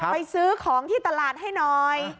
ซื้อของที่ตลาดให้หน่อย